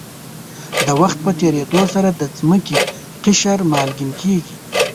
د وخت په تېرېدو سره د ځمکې قشر مالګین کېږي.